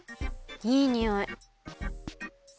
いいにおい。